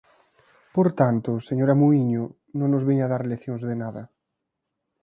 Por tanto, señora Muíño, non nos veña dar leccións de nada.